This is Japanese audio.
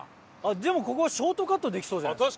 でもここショートカットできそうじゃないですか？